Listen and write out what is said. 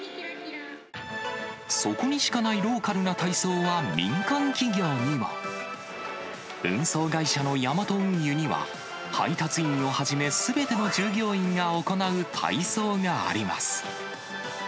そこにしかないローカルな体操は、民間企業にも。運送会社のヤマト運輸には、配達員をはじめ、すべての従業員が行う体操があります。